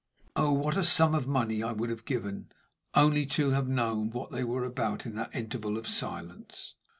Oh, what a sum of money I would have given only to have known what they were about in that interval of silence!